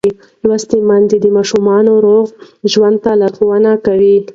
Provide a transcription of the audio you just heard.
لوستې میندې د ماشومانو روغ ژوند ته لارښوونه کوي.